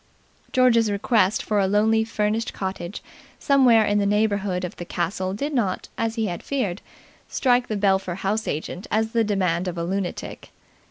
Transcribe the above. George's request for a lonely furnished cottage somewhere in the neighbourhood of the castle did not, as he had feared, strike the Belpher house agent as the demand of a lunatic.